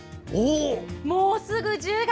もうすぐ１０月。